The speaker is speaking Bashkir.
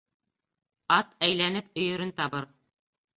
Ат әйләнеп өйөрөн табыр